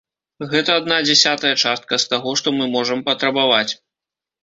Гэта адна дзясятая частка з таго, што мы можам патрабаваць.